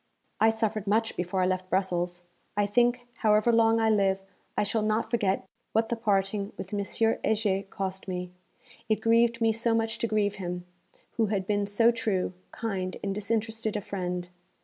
'I suffered much before I left Brussels. I think, however long I live, I shall not forget what the parting with M. Heger cost me: it grieved me so much to grieve him, who had been so true, kind and disinterested a friend.